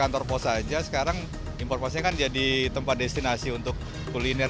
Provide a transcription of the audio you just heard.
kantor pos aja sekarang impor posnya kan jadi tempat destinasi untuk kuliner